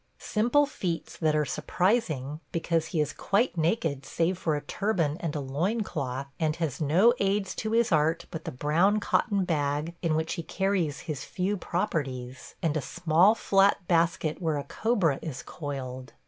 Simple feats that are surprising, because he is quite naked save for a turban and a loin cloth, and has no aids to his art but the brown cotton bag in which he carries his few properties, and a small flat basket where a cobra is coiled.